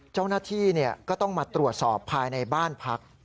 เจ้าหน้าที่ก็ต้องมาตรวจสอบภายในบ้านพัก